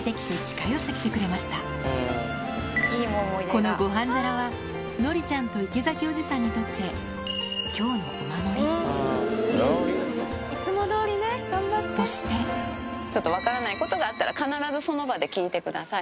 このご飯皿はのりちゃんと池崎おじさんにとってそして分からないことがあったら必ずその場で聞いてください。